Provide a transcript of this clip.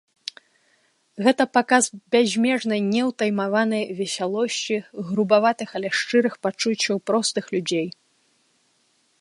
Гэта паказ бязмежнай, неўтаймаванай весялосці, грубаватых, але шчырых пачуццяў простых людзей.